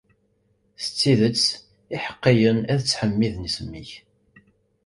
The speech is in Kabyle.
S tidet, iḥeqqiyen ad ttḥemmiden isem-ik.